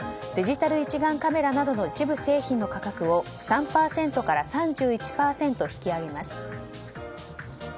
デジタル一眼カメラなどの一部製品の価格を３％から３１％引き上げます。